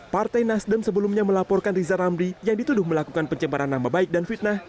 partai nasdem sebelumnya melaporkan riza ramli yang dituduh melakukan pencemaran nama baik dan fitnah